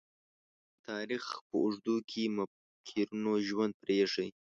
تاریخ په اوږدو کې مُفکرینو ژوند پريښی.